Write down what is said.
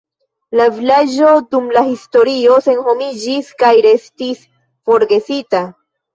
La vilaĝo dum la historio senhomiĝis kaj restis forgesita.